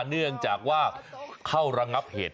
เนื่องจากว่าเข้าระงับเหตุ